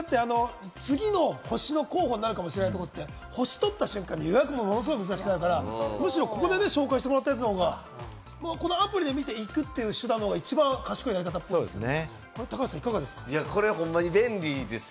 次の星の候補になるかもしれないところって星をとった瞬間に予約がすごく難しくなるから、むしろここで紹介してもらったやつの方がこのアプリで見ていくっていう手段が一番賢いやり方だと思う。